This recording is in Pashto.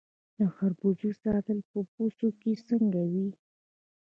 د خربوزو ساتل په بوسو کې څنګه وي؟